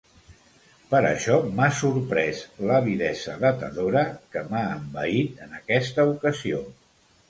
Per això m'ha sorprès l'avidesa datadora que m'ha envaït en aquesta ocasió.